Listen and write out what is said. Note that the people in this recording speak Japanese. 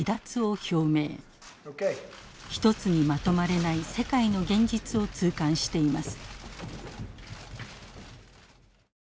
一つにまとまれない世界の現実を痛感しています。